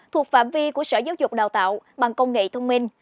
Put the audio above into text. thuộc phạm vi của sở giáo dục đào tạo bằng công nghệ thông minh